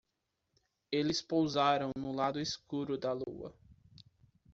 Eles pousaram no lado escuro da lua.